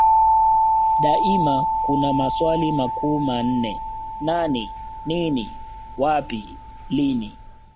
Daima kuna maswali makuu manne Nani nini wapi lini